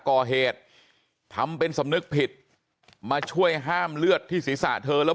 ก่อเหตุทำเป็นสำนึกผิดมาช่วยห้ามเลือดที่ศีรษะเธอแล้ว